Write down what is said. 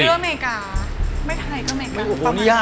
ไทยหรืออเมริกาไม่ไทยก็อเมริกา